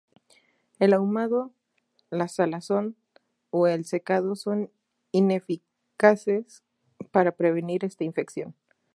El ahumado, la salazón o el secado son ineficaces para prevenir esta infección.